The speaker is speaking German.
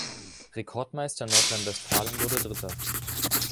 Rekordmeister Nordrhein-Westfalen wurde Dritter.